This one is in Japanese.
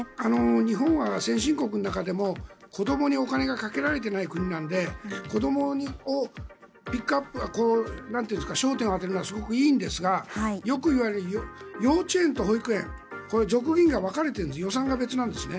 日本は先進国の中でも子どもにお金がかけられていない国なので子どもに焦点を当てるのはすごくいいんですがよく言われる幼稚園と保育園予算が別なんですね。